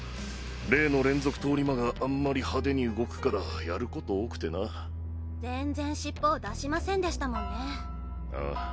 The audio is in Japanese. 例の連続通り魔があんまり派手に動くからやること多くてな全然尻尾を出しませんでしたもんねああ。